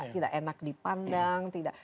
tidak enak dipandang